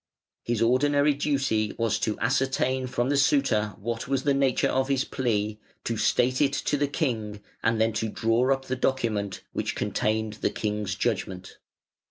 His ordinary duty was to ascertain from the suitor what was the nature of his plea, to state it to the king, and then to draw up the document, which contained the king's judgment.